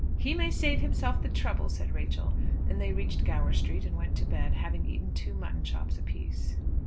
"He may save himself the trouble," said Rachel. Then they reached Gower Street, and went to bed, having eaten two mutton chops apiece.